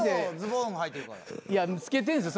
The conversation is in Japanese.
いや透けてんすよ